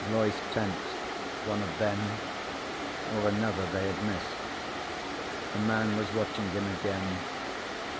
Loyce tensed. One of them? Or another they had missed? The man was watching him again.